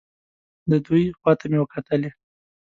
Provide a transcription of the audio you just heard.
د دوی خوا ته مې وکتلې.